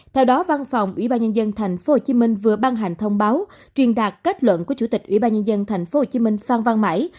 theo đó văn phòng ủy ban nhân dân thành phố hồ chí minh vừa ban hành thông báo truyền đạt kết luận của chủ tịch ủy ban nhân dân thành phố hồ chí minh phan văn mãi